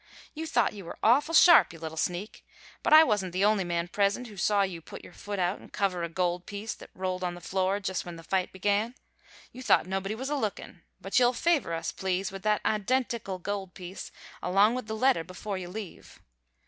You thought you were awful sharp, you little sneak! But I wasn't the only man present who saw you put your foot out an' cover a gold piece that rolled on the floor just when the fight began. You thought nobody was a lookin', but you'll favor us, please, with that identical gold piece along with the letter before you leave.